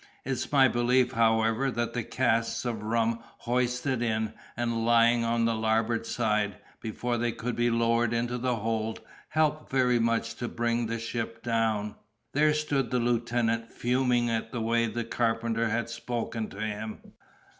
It's my belief, however, that the casks of rum hoisted in, and lying on the larboard side, before they could be lowered into the hold, helped very much to bring the ship down. There stood the lieutenant, fuming at the way the carpenter had spoken to him.